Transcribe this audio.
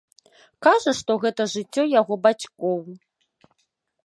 Кажа, што гэта жыццё яго бацькоў.